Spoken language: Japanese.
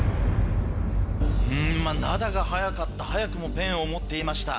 うん灘が早かった早くもペンを持っていました。